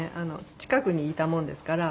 近くにいたもんですから。